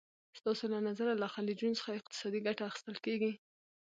ستاسو له نظره له خلیجونو څخه اقتصادي ګټه اخیستل کېږي؟